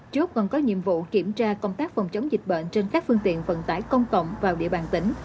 chốt còn có nhiệm vụ kiểm tra công tác phòng chống dịch bệnh trên các phương tiện vận tải công cộng vào địa bàn tỉnh